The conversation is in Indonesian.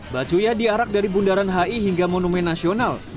bacuya diarak dari bundaran hi hingga monumen nasional